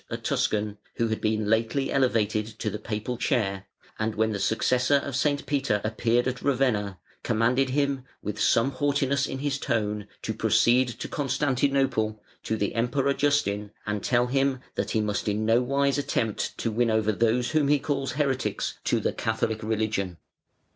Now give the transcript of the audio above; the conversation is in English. a Tuscan, who had been lately elevated to the Papal chair, and when the successor of St. Peter appeared at Ravenna commanded him, with some haughtiness in his tone, to proceed to Constantinople, to the Emperor Justin, and tell him that "he must in no wise attempt to win over those whom he calls heretics to the Catholic religion".